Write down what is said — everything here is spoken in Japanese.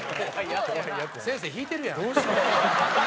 「先生引いてるやん」